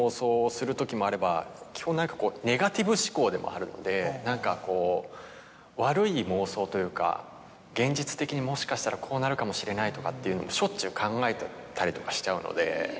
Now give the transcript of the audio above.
基本何かこうネガティブ思考でもあるので何かこう悪い妄想というか現実的にもしかしたらこうなるかもしれないとかっていうのもしょっちゅう考えてたりとかしちゃうので。